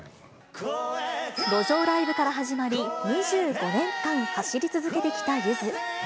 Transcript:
路上ライブから始まり２５年間走り続けてきたゆず。